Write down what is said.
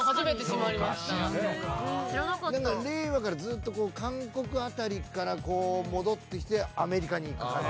令和からずっと韓国あたりからこう戻ってきてアメリカに。